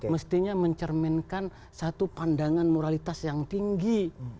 mestinya mencerminkan satu pandangan moralitas yang tinggi